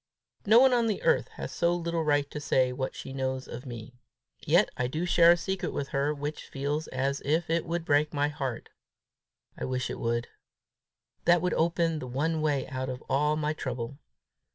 No one on the earth has so little right to say what she knows of me. Yet I do share a secret with her which feels as if it would burst my heart. I wish it would. That would open the one way out of all my trouble.